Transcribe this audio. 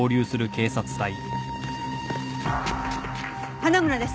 花村です。